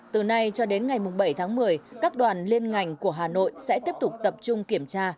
từ nay cho đến ngày bảy tháng một mươi các đoàn liên ngành của hà nội sẽ tiếp tục tập trung kiểm tra